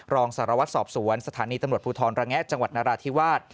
รองสารวัตรสอบสวนสถานีตำรวจภูทรระแงะจังหวัดนราธิวาส